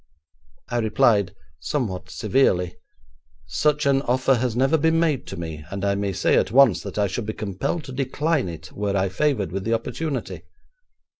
I replied somewhat severely: 'Such an offer has never been made to me, and I may say at once that I should be compelled to decline it were I favoured with the opportunity.